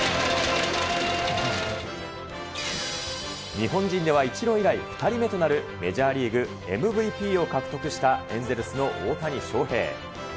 日本人では、イチロー以来、２人目となるメジャーリーグＭＶＰを獲得した、エンゼルスの大谷翔平。